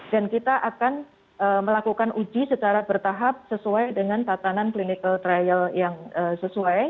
dan kita akan melakukan uji secara bertahap sesuai dengan tatanan clinical trial yang sesuai